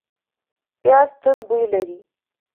پیاز توند بوی لري